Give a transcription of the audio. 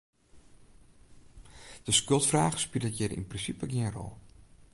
De skuldfraach spilet hjir yn prinsipe gjin rol.